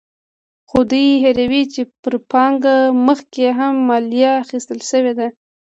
خو دوی هېروي چې پر پانګه مخکې هم مالیه اخیستل شوې ده.